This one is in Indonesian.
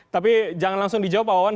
tapi jangan langsung dijawab pak wawan